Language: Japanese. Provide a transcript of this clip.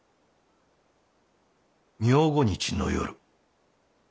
明後日の夜。